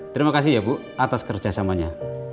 terima kasih ya bu atas kerjasamanya